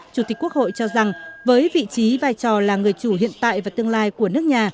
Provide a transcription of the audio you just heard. chủ tịch quốc hội cho rằng với vị trí vai trò là người chủ hiện tại và tương lai của nước nhà